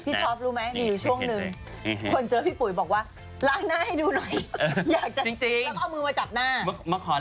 จนเจอมีบอกว่า